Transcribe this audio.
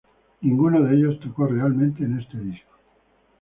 Ninguno de ellos tocó realmente en este disco.